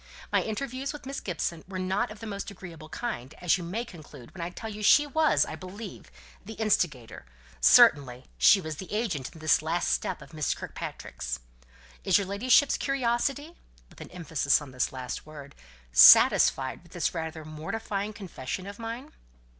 My interviews with Miss Gibson were not of the most agreeable kind as you may conclude when I tell you she was, I believe, the instigator certainly, she was the agent in this last step of Miss Kirkpatrick's. Is your ladyship's curiosity" (with an emphasis on this last word) "satisfied with this rather mortifying confession of mine?"